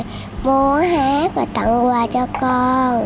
cháu muốn hát và tặng quà cho con